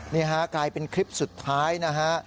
นี่ฮะกลายเป็นคลิปสุดท้ายนะฮะ